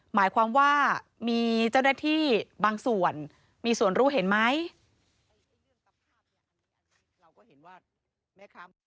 หมายความว่ามีเจ้าหน้าที่บางส่วนมีส่วนรู้เห็นไหม